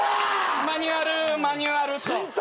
マニュアルマニュアルと。